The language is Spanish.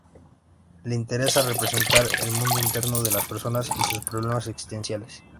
Le interesa representar el mundo interno de las personas y sus problemas existenciales.